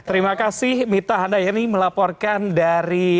terima kasih mita handayani melaporkan dari